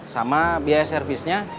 sama biaya servisnya